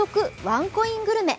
ワンコイングルメ。